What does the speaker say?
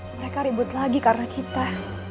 mereka ribut lagi karena kita